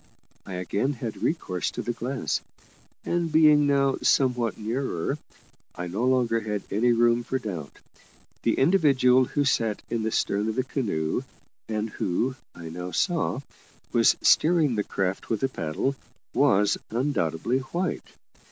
I again had recourse to the glass, and being now somewhat nearer, I no longer had any room for doubt; the individual who sat in the stern of the canoe, and who, I now saw, was steering the craft with a paddle, was undoubtedly white.